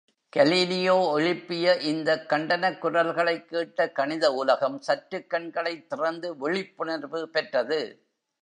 Galileo எழுப்பிய இந்தக் கண்டனக் குரல்களைக் கேட்ட கணித உலகம், சற்றுக்கண்களைத் திறந்து விழிப்புணர்வு பெற்றது!